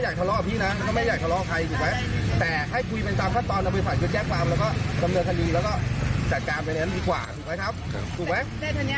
นี่มันอะไรกำลังเป็นความวางต้อง